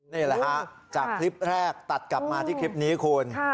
นี่แหละฮะจากคลิปแรกตัดกลับมาที่คลิปนี้คุณ